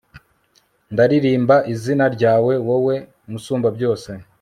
ndaririmba izina ryawe, wowe musumbabyose